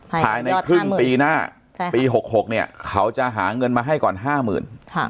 ภายในครึ่งปีหน้าใช่ค่ะปีหกหกเนี่ยเขาจะหาเงินมาให้ก่อนห้าหมื่นค่ะ